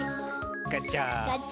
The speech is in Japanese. ガチャ。